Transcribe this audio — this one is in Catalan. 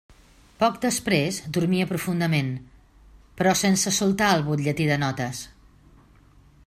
Poc després dormia profundament, però sense soltar el butlletí de notes.